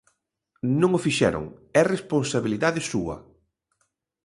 Non o fixeron, é responsabilidade súa.